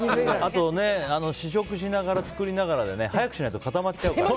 試食しながら作りながらで早くしないと固まっちゃうから。